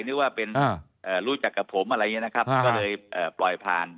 นึกว่าเป็นรู้จักกับผมอะไรอย่างนี้นะครับก็เลยปล่อยผ่าน